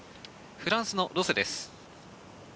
フランスのロセです。